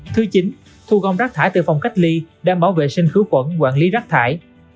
thứ chín thu gom rác thải từ phòng cách ly đảm bảo vệ sinh khử khuẩn quản lý rác thải